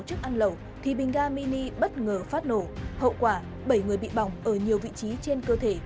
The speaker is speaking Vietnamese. chức ăn lẩu thì bình garmini bất ngờ phát nổ hậu quả bảy người bị bỏng ở nhiều vị trí trên cơ thể